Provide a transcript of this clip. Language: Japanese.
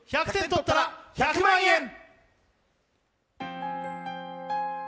１００点とったら１００万円！